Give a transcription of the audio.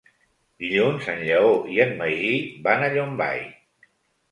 Dilluns en Lleó i en Magí van a Llombai.